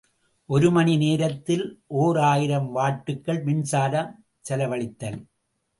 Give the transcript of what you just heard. ஒரு மணி நேரத்தில் ஓர் ஆயிரம் வாட்டுகள் மின்சாரம் செலவழித்தல்.